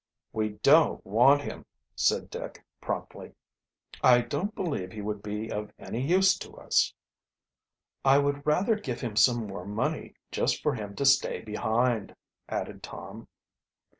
"We don't want him," said Dick promptly. "I don't believe he would be of any use to us." "I would rather give him some more money just for him to stay behind," added Tom. Mr.